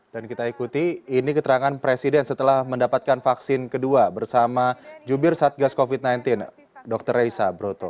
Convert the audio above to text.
dan kita ikuti ini keterangan presiden setelah mendapatkan vaksin kedua bersama jubir satgas covid sembilan belas dr reza broto